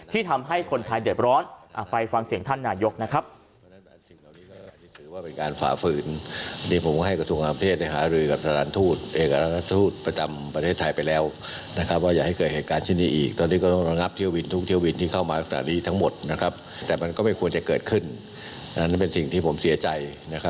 ที่ทำให้คนไทยเด็ดร้อนอภัยฟังเสียงท่านหน่ายก